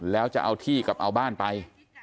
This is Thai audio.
แล้วจะเอาที่กับเอาบ้านไป